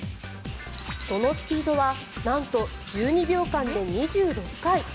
そのスピードはなんと１２秒間で２６回。